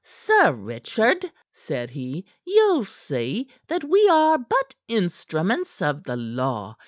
"Sir Richard," said he, "you'll see that we are but instruments of the law.